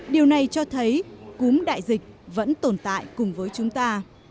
điều này cho thấy cúm đại dịch vẫn tồn tại cùng với chúng ta